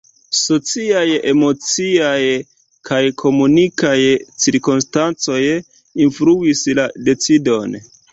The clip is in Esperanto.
Sociaj, emociaj kaj komunikaj cirkonstancoj influis la decidon.